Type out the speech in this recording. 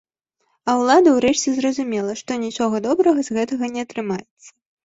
А ўлада ўрэшце зразумела, што нічога добрага з гэтага не атрымаецца.